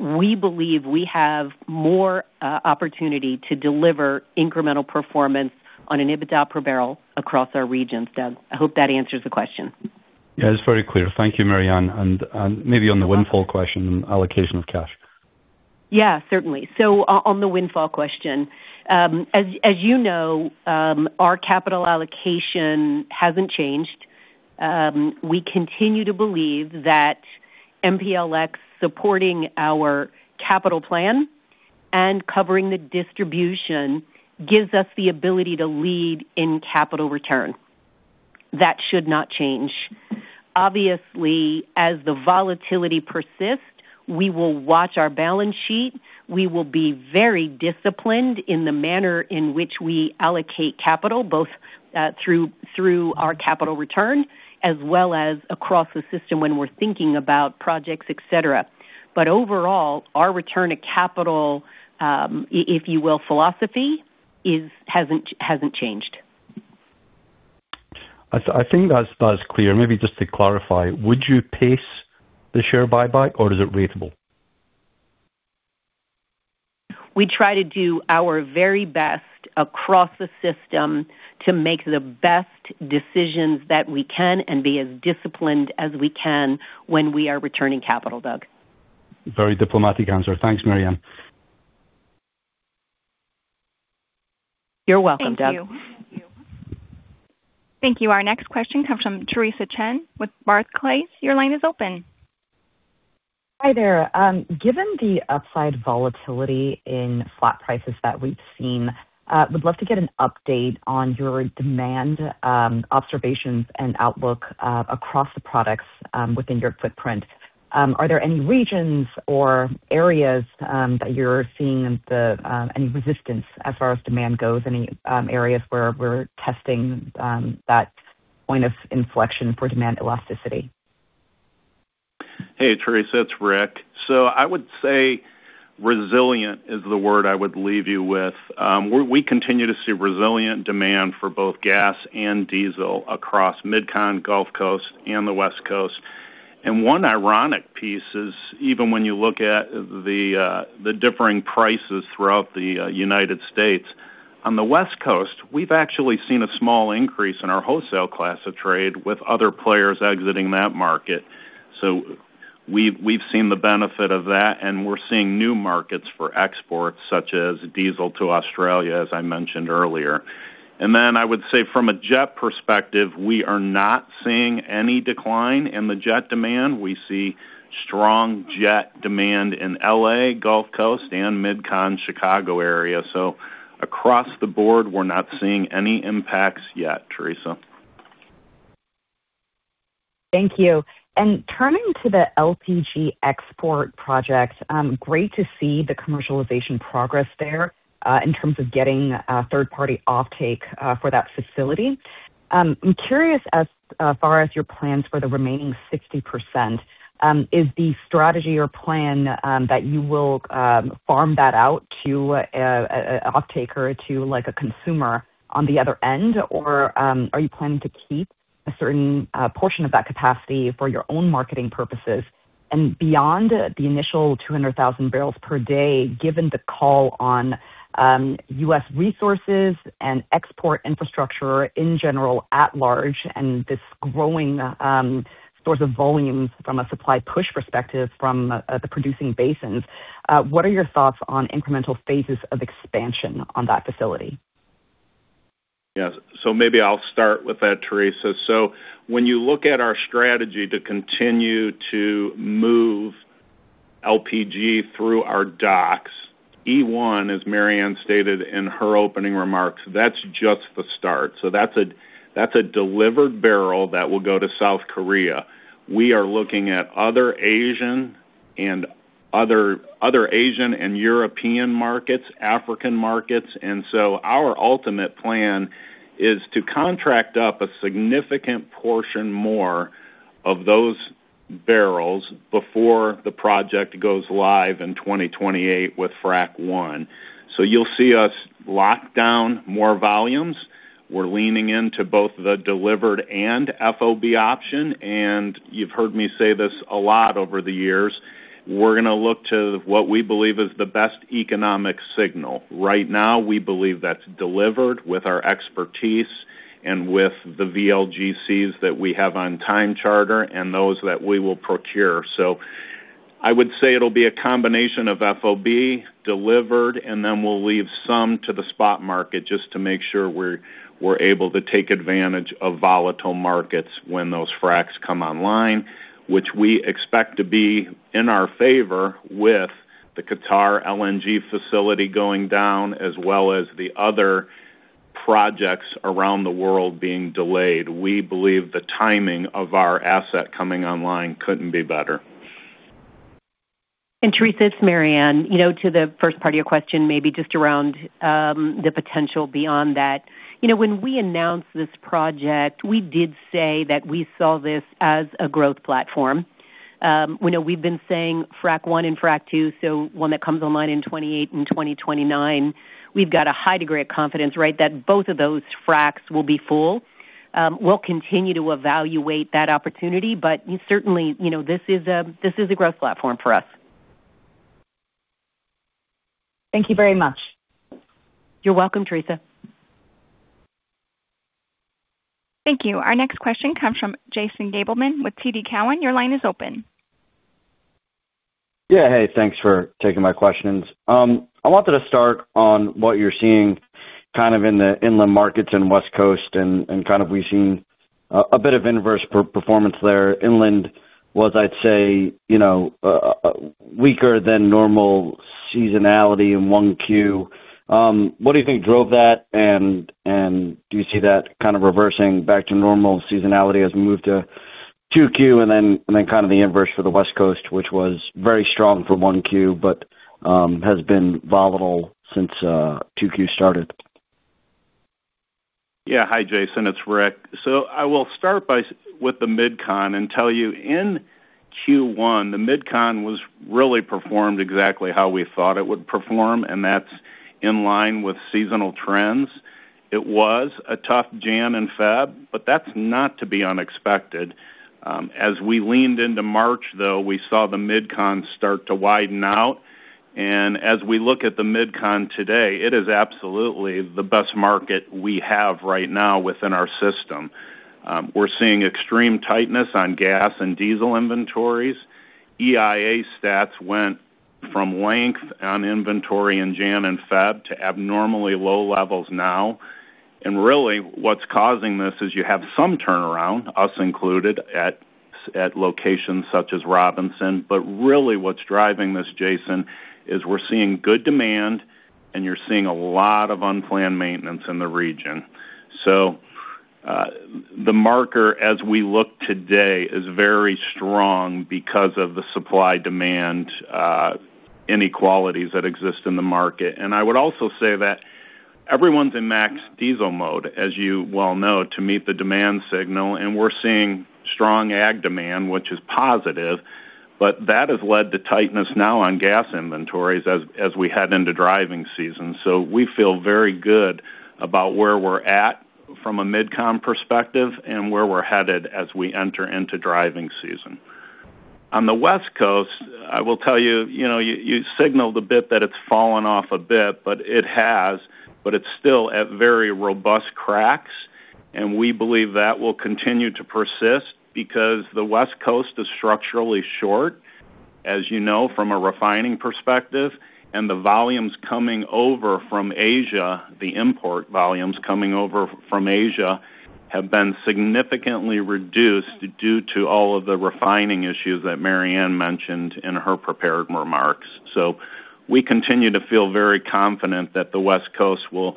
Speaker 3: we believe we have more opportunity to deliver incremental performance on an EBITDA per barrel across our regions, Doug. I hope that answers the question.
Speaker 9: Yeah, it's very clear. Thank you, Maryann. maybe on the windfall question, allocation of cash.
Speaker 3: Certainly. On the windfall question, as you know, our capital allocation hasn't changed. We continue to believe that MPLX supporting our capital plan and covering the distribution gives us the ability to lead in capital return. That should not change. Obviously, as the volatility persists, we will watch our balance sheet. We will be very disciplined in the manner in which we allocate capital, both through our capital return as well as across the system when we're thinking about projects, et cetera. Overall, our return to capital, if you will, philosophy hasn't changed.
Speaker 9: I think that's clear. Maybe just to clarify, would you pace the share buyback or is it ratable?
Speaker 3: We try to do our very best across the system to make the best decisions that we can and be as disciplined as we can when we are returning capital, Doug.
Speaker 9: Very diplomatic answer. Thanks, Maryann.
Speaker 3: You're welcome, Doug.
Speaker 1: Thank you. Thank you. Our next question comes from Theresa Chen with Barclays. Your line is open.
Speaker 10: Hi there. Given the upside volatility in flat prices that we've seen, would love to get an update on your demand observations and outlook across the products within your footprint. Are there any regions or areas that you're seeing any resistance as far as demand goes? Any areas where we're testing that point of inflection for demand elasticity?
Speaker 7: Hey, Theresa, it's Rick. I would say resilient is the word I would leave you with. We continue to see resilient demand for both gas and diesel across MidCon, Gulf Coast, and the West Coast. One ironic piece is even when you look at the differing prices throughout the United States, on the West Coast, we've actually seen a small increase in our wholesale class of trade with other players exiting that market. We've seen the benefit of that, and we're seeing new markets for exports such as diesel to Australia, as I mentioned earlier. I would say from a jet perspective, we are not seeing any decline in the jet demand. We see strong jet demand in L.A., Gulf Coast, and MidCon Chicago area. Across the board, we're not seeing any impacts yet, Theresa.
Speaker 10: Thank you. Turning to the LPG export project, great to see the commercialization progress there, in terms of getting a third-party offtake, for that facility. I'm curious as far as your plans for the remaining 60%, is the strategy or plan that you will farm that out to a offtaker to, like, a consumer on the other end? Are you planning to keep a certain portion of that capacity for your own marketing purposes? Beyond the initial 200,000 bpd, given the call on U.S. resources and export infrastructure in general at large and this growing source of volumes from a supply push perspective from the producing basins, what are your thoughts on incremental phases of expansion on that facility?
Speaker 7: Yes. Maybe I'll start with that, Theresa. When you look at our strategy to continue to move LPG through our docks, E1, as Maryann stated in her opening remarks, that's just the start. That's a, that's a delivered barrel that will go to South Korea. We are looking at other Asian and other Asian and European markets, African markets. Our ultimate plan is to contract up a significant portion more of those barrels before the project goes live in 2028 with frac one. You'll see us lock down more volumes. We're leaning into both the delivered and FOB option. You've heard me say this a lot over the years. We're gonna look to what we believe is the best economic signal. Right now, we believe that's delivered with our expertise and with the VLGCs that we have on time charter and those that we will procure. I would say it'll be a combination of FOB delivered, and then we'll leave some to the spot market just to make sure we're able to take advantage of volatile markets when those fracs come online, which we expect to be in our favor with the Qatar LNG facility going down as well as the other projects around the world being delayed. We believe the timing of our asset coming online couldn't be better.
Speaker 3: Theresa, it's Maryann. You know, to the first part of your question, maybe just around the potential beyond that. You know, when we announced this project, we did say that we saw this as a growth platform. We know we've been saying Frac I and Frac II, so one that comes online in 2028 and 2029. We've got a high degree of confidence, right, that both of those fracs will be full. We'll continue to evaluate that opportunity, but you certainly, you know, this is a growth platform for us.
Speaker 10: Thank you very much.
Speaker 3: You're welcome, Theresa.
Speaker 1: Thank you. Our next question comes from Jason Gabelman with TD Cowen. Your line is open.
Speaker 11: Yeah, hey, thanks for taking my questions. I wanted to start on what you're seeing kind of in the inland markets in West Coast and kind of we've seen a bit of inverse performance there. Inland was, I'd say, you know, weaker than normal seasonality in 1Q. What do you think drove that? Do you see that kind of reversing back to normal seasonality as we move to 2Q? Then kind of the inverse for the West Coast, which was very strong for 1Q, but has been volatile since 2Q started.
Speaker 7: Yeah. Hi, Jason. It's Rick. I will start with the MidCon and tell you in Q1, the MidCon was really performed exactly how we thought it would perform, and that's in line with seasonal trends. It was a tough Jan and Feb, that's not to be unexpected. As we leaned into March though, we saw the MidCon start to widen out. As we look at the MidCon today, it is absolutely the best market we have right now within our system. We're seeing extreme tightness on gas and diesel inventories. EIA stats went from length on inventory in Jan and Feb to abnormally low levels now. Really what's causing this is you have some turnaround, us included, at locations such as Robinson. Really what's driving this, Jason, is we're seeing good demand, and you're seeing a lot of unplanned maintenance in the region. The marker as we look today is very strong because of the supply-demand inequalities that exist in the market. I would also say that everyone's in max diesel mode as you well know, to meet the demand signal. We're seeing strong ag demand, which is positive, but that has led to tightness now on gas inventories as we head into driving season. We feel very good about where we're at from a MidCon perspective and where we're headed as we enter into driving season. On the West Coast, I will tell you know, you signaled a bit that it's fallen off a bit, but it has, but it's still at very robust cracks. We believe that will continue to persist because the West Coast is structurally short, as you know from a refining perspective, and the volumes coming over from Asia, the import volumes coming over from Asia have been significantly reduced due to all of the refining issues that Maryann mentioned in her prepared remarks. We continue to feel very confident that the West Coast will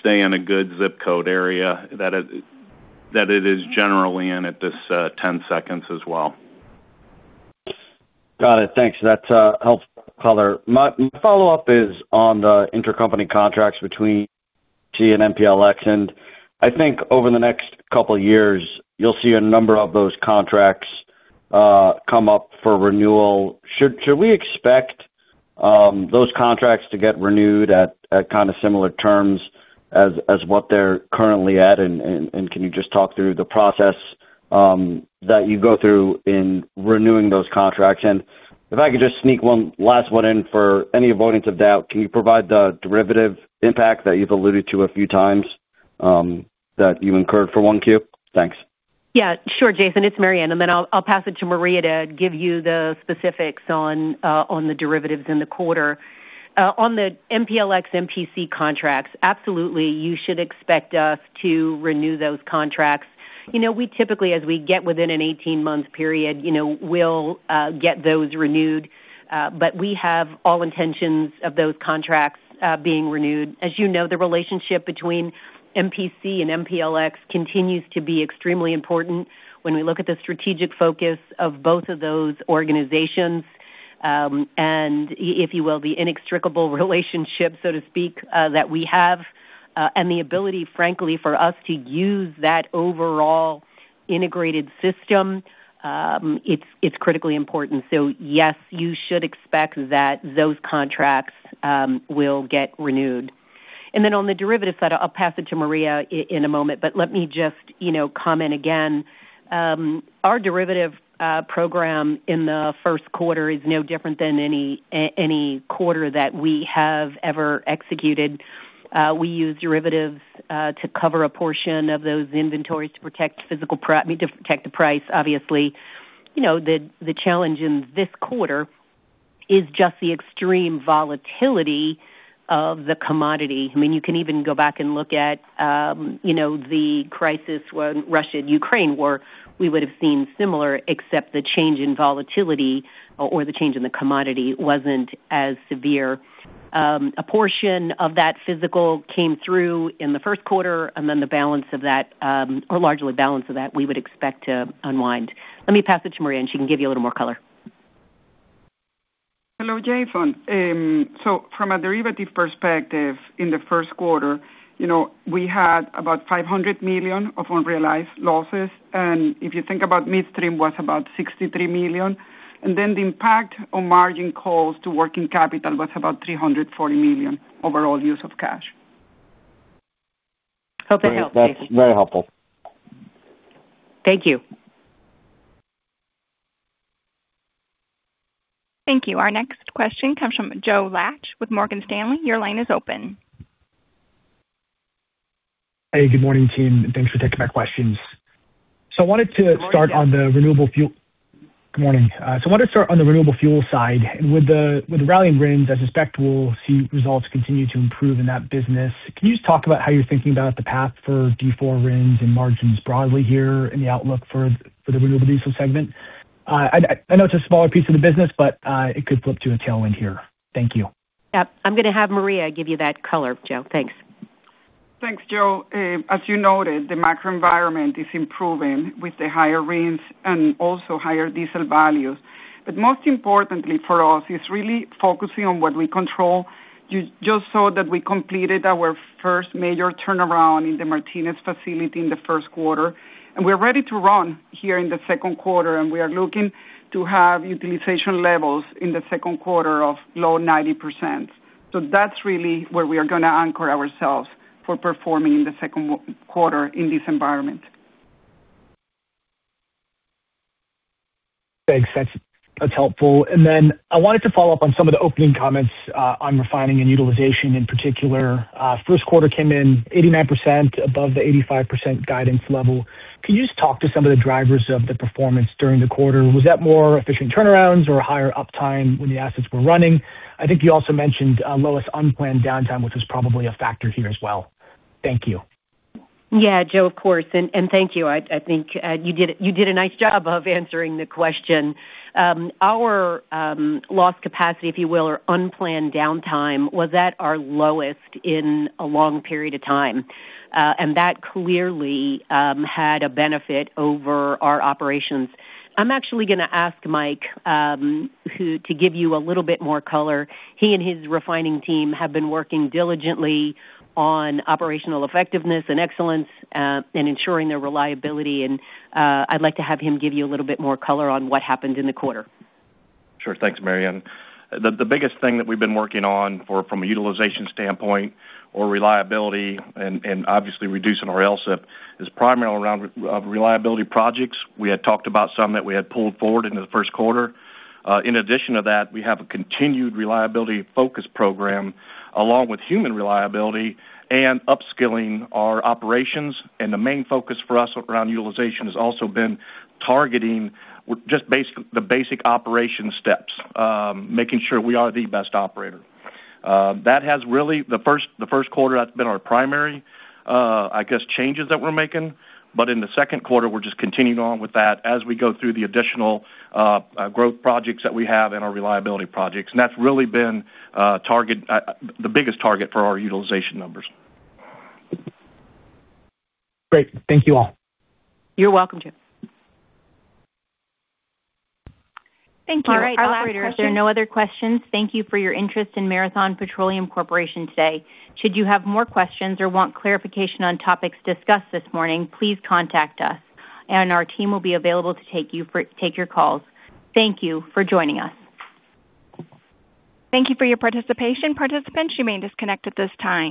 Speaker 7: stay in a good zip code area that it is generally in at this ten seconds as well.
Speaker 11: Got it. Thanks. That helps color. My follow-up is on the intercompany contracts between MPC and MPLX. I think over the next couple years you'll see a number of those contracts come up for renewal. Should we expect those contracts to get renewed at kind of similar terms as what they're currently at? Can you just talk through the process that you go through in renewing those contracts? If I could just sneak one last one in, for any avoidance of doubt, can you provide the derivative impact that you've alluded to a few times that you incurred for 1Q?
Speaker 3: Sure, Jason, it's Maryann, and then I'll pass it to Maria to give you the specifics on the derivatives in the quarter. On the MPLX MPC contracts, absolutely, you should expect us to renew those contracts. You know, we typically, as we get within an 18-month period, you know, we'll get those renewed. But we have all intentions of those contracts being renewed. As you know, the relationship between MPC and MPLX continues to be extremely important when we look at the strategic focus of both of those organizations, and if you will, the inextricable relationship, so to speak, that we have, and the ability, frankly, for us to use that overall integrated system, it's critically important. Yes, you should expect that those contracts will get renewed. On the derivative side, I'll pass it to Maria in a moment, but let me just, you know, comment again. Our derivative program in the first quarter is no different than any quarter that we have ever executed. We use derivatives to cover a portion of those inventories to protect physical to protect the price, obviously. You know, the challenge in this quarter is just the extreme volatility of the commodity. I mean, you can even go back and look at, you know, the crisis when Russia and Ukraine we would have seen similar except the change in volatility or the change in the commodity wasn't as severe. A portion of that physical came through in the first quarter, the balance of that, or largely balance of that we would expect to unwind. Let me pass it to Maria and she can give you a little more color.
Speaker 4: Hello, Jason. From a derivative perspective, in the first quarter, we had about $500 million of unrealized losses. If you think about midstream was about $63 million. Then the impact on margin calls to working capital was about $340 million overall use of cash.
Speaker 3: Hope that helps.
Speaker 11: That's very helpful.
Speaker 3: Thank you.
Speaker 1: Thank you. Our next question comes from Joe Laetsch with Morgan Stanley. Your line is open.
Speaker 12: Hey, good morning, team. Thanks for taking my questions. I wanted to start on the renewable fuel. Good morning. I wanted to start on the renewable fuel side. With the rally in RINs, I suspect we'll see results continue to improve in that business. Can you just talk about how you're thinking about the path for D4 RINs and margins broadly here and the outlook for the Renewable Diesel segment? I know it's a smaller piece of the business, but it could flip to a tailwind here. Thank you.
Speaker 3: Yep. I'm gonna have Maria give you that color, Joe. Thanks.
Speaker 4: Thanks, Joe. As you noted, the macro environment is improving with the higher RINs and also higher diesel values. Most importantly for us is really focusing on what we control. You just saw that we completed our first major turnaround in the Martinez facility in the first quarter, and we're ready to run here in the second quarter, and we are looking to have utilization levels in the second quarter of low 90%. That's really where we are gonna anchor ourselves for performing in the second quarter in this environment.
Speaker 12: Thanks. That's helpful. Then I wanted to follow up on some of the opening comments on refining and utilization in particular. First quarter came in 89% above the 85% guidance level. Can you just talk to some of the drivers of the performance during the quarter? Was that more efficient turnarounds or higher uptime when the assets were running? I think you also mentioned lowest unplanned downtime, which was probably a factor here as well. Thank you.
Speaker 3: Yeah, Joe, of course. Thank you. I think you did a nice job of answering the question. Our lost capacity, if you will, or unplanned downtime was at our lowest in a long period of time, and that clearly had a benefit over our operations. I'm actually going to ask Mike to give you a little bit more color. He and his refining team have been working diligently on operational effectiveness and excellence, and ensuring their reliability. I'd like to have him give you a little bit more color on what happened in the quarter.
Speaker 13: Sure. Thanks, Maryann. The biggest thing that we've been working on for, from a utilization standpoint or reliability and obviously reducing our LSIP is primarily around reliability projects. We had talked about some that we had pulled forward into the first quarter. In addition to that, we have a continued reliability focus program along with human reliability and upskilling our operations. The main focus for us around utilization has also been targeting just basic, the basic operation steps, making sure we are the best operator. The first quarter, that's been our primary, I guess, changes that we're making. In the second quarter, we're just continuing on with that as we go through the additional growth projects that we have and our reliability projects. That's really been target, the biggest target for our utilization numbers.
Speaker 12: Great. Thank you, all.
Speaker 3: You're welcome, Joe.
Speaker 1: Thank you.
Speaker 3: All right.
Speaker 1: Our last question.
Speaker 2: Operators, if there are no other questions. Thank you for your interest in Marathon Petroleum Corporation today. Should you have more questions or want clarification on topics discussed this morning, please contact us and our team will be available to take your calls. Thank you for joining us.
Speaker 1: Thank you for your participation. Participants, you may disconnect at this time.